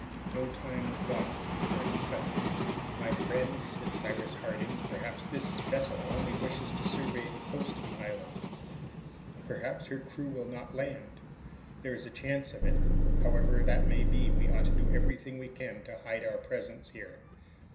No time was lost before discussing it. "My friends," said Cyrus Harding, "perhaps this vessel only wishes to survey the coast of the island. Perhaps her crew will not land. There is a chance of it. However that may be, we ought to do everything we can to hide our presence here.